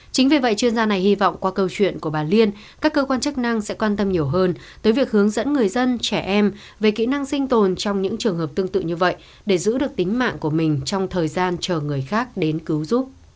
chính vì vậy chuyên gia này hy vọng qua câu chuyện của bà liên các cơ quan chức năng sẽ quan tâm nhiều hơn tới việc hướng dẫn người dân trẻ em về kỹ năng sinh tồn trong những trường hợp tương tự như vậy để giữ được tính mạng của mình trong thời gian chờ người khác đến cứu giúp